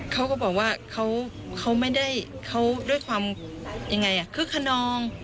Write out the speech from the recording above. เขาก็บอกว่าเขาไม่ได้เขาด้วยความยังไงคึกขนอง